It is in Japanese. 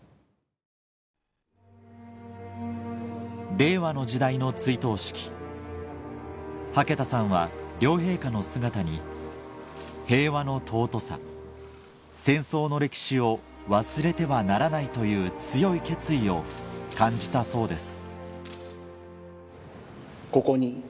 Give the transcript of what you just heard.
令和の時代の追悼式羽毛田さんは両陛下の姿に平和の尊さ戦争の歴史を忘れてはならないという強い決意を感じたそうです